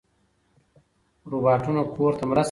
روباټونه کور ته مرسته راوړي.